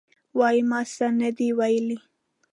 وایي: ما څه نه دي ویلي.